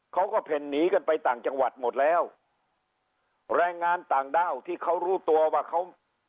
เพ่นหนีกันไปต่างจังหวัดหมดแล้วแรงงานต่างด้าวที่เขารู้ตัวว่าเขา